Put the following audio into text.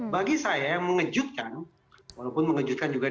bagi saya yang mengejutkan walaupun mengejutkan juga di situ